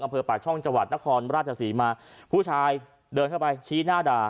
อำเภอปากช่องจังหวัดนครราชศรีมาผู้ชายเดินเข้าไปชี้หน้าด่า